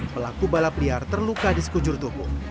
pelaku balap liar terluka di sekujur tubuh